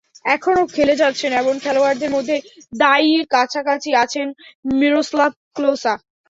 এখনো খেলে যাচ্ছেন এমন খেলোয়াড়দের মধ্যে দাইয়ির কাছাকাছি আছেন মিরোস্লাভ ক্লোসা।